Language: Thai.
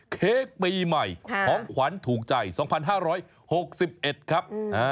เค้กปีใหม่ของขวัญถูกใจ๒๕๖๑ครับ